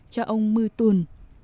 cho ông mưu tùn